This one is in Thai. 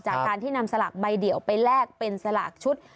จากการที่นำสลากใบเดียวไปแลกเป็นสลากชุด